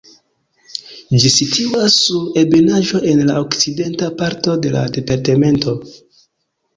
Ĝi situas sur ebenaĵo en la okcidenta parto de la departemento.